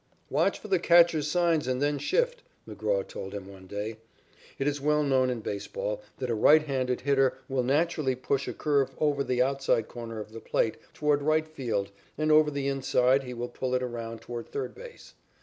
"Watch for the catcher's signs and then shift," McGraw told him one day. It is well known in baseball that a right handed hitter will naturally push a curve over the outside corner of the plate toward right field and over the inside he will pull it around toward third base.